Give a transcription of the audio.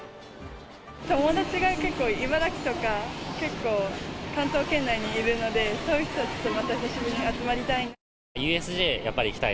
友達が結構、茨城とか結構、関東圏内にいるので、そういう人たちと久しぶりにまた集まりたい。